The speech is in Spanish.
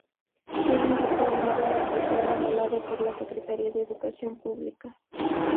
Tiene un diplomado en locución avalado por la Secretaría de Educación Pública.